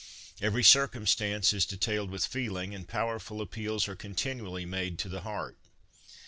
Every circumstance is detailed with feeling, and powerful appeals are continually made to the heart.